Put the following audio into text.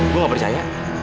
gue nggak percaya